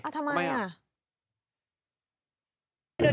โดดดดโดดดโดดด